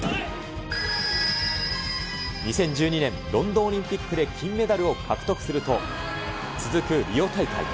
２０１２年ロンドンオリンピックで金メダルを獲得すると、続くリオ大会。